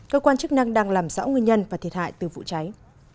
cơ quan chức năng đang làm rõ nguyên nhân và thiệt hại từ vụ cháy